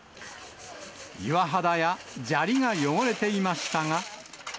岩肌や砂利が汚れていましたが。